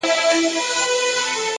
پوه انسان د ناپوهۍ منلو جرئت لري،